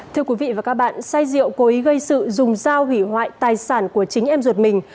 thưa quý vị và các bạn say rượu cố ý gây sự dùng dao hủy hoại tài sản của chính em ruột mình